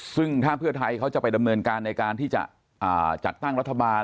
ซึ่งถ้าเพื่อไทยเขาจะไปดำเนินการในการที่จะจัดตั้งรัฐบาล